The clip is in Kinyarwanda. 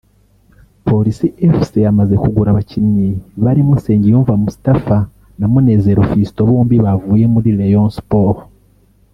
Police Fc yamaze kugura abakinnyi barimo Nsengiyumva Moustapha na Munezero Fiston bombi bavuye muri Rayon Sports